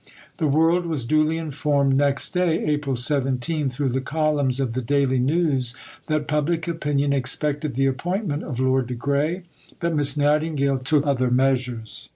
The world was duly informed next day (April 17) through the columns of the Daily News that public opinion expected the appointment of Lord de Grey. But Miss Nightingale took other measures.